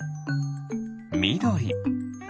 みどり。